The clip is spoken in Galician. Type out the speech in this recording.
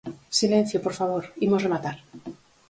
Silencio, por favor, imos rematar.